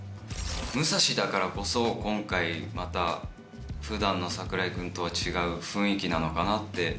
武蔵だからこそ今回また普段の櫻井君とは違う雰囲気なのかなって。